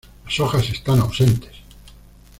Las hojas están ausentes.